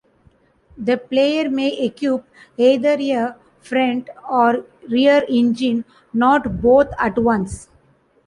The player may equip either a front or rear engine, not both at once.